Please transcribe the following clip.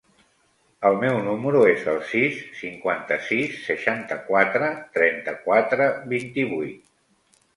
El meu número es el sis, cinquanta-sis, seixanta-quatre, trenta-quatre, vint-i-vuit.